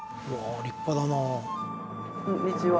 こんにちは。